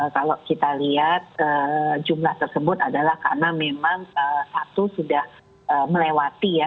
kalau kita lihat jumlah tersebut adalah karena memang satu sudah melewati ya